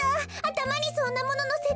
たまにそんなもののせて。